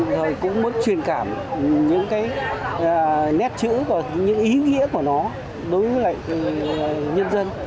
rồi cũng muốn truyền cảm những cái nét chữ và những ý nghĩa của nó đối với lại nhân dân